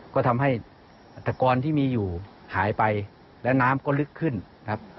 ก็ทำให้อัตกรที่มีอยู่หายไปและน้ำก็ลึกขึ้นนะครับ